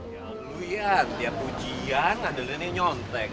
ya lu iyan tiap ujian andaliannya nyontek